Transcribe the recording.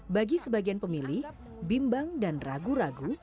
bagi sebagian pemilih bimbang dan ragu ragu